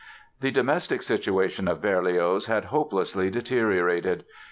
The domestic situation of Berlioz had hopelessly deteriorated.